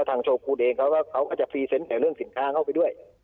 ทางโชว์กูฤตเขาจะพรีเซ็นต์ไหนเรื่องสินค้าเค้าไปด้วย